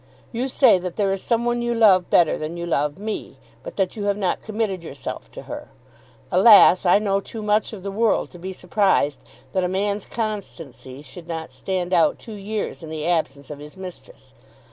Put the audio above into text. You say that there is some one you love better than you love me, but that you have not committed yourself to her. Alas, I know too much of the world to be surprised that a man's constancy should not stand out two years in the absence of his mistress.